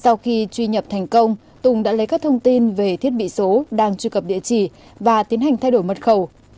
sau khi truy nhập thành công tùng đã lấy các thông tin về thiết bị số đang truy cập địa chỉ và tiến hành thay đổi mật khẩu